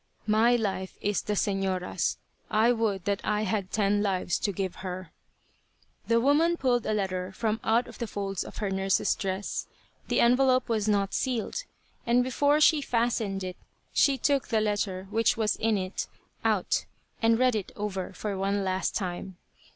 "My life is the señora's. I would that I had ten lives to give her." The woman pulled a letter from out the folds of her nurse's dress. The envelope was not sealed, and before she fastened it she took the letter which was in it out and read it over for one last time.